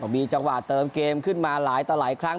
มีจังหวะเติมเกมขึ้นมาหลายครั้ง